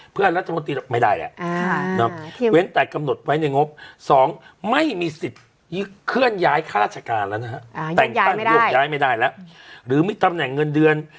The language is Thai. หรือมิตำแหน่งเงินเดือน